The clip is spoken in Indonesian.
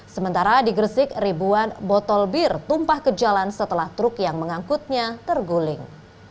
sementara di gresik ribuan botol bir tumpah ke jalan setelah truk yang mengangkutnya terguling